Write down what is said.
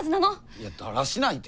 いや「だらしない」て。